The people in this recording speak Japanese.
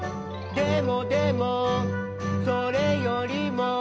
「でもでもそれよりも」